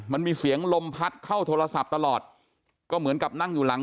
มันมีเสียงลมพัดเข้าโทรศัพท์ตลอดก็เหมือนกับนั่งอยู่หลัง